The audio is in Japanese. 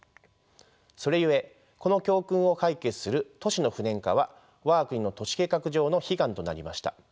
それゆえこの教訓を解決する都市の不燃化は我が国の都市計画上の悲願となりました。